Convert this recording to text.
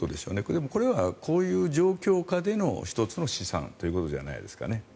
これはこういう状況下での１つの試算ということじゃないですかね。